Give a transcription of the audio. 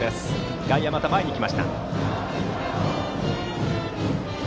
外野は、また前に来ました。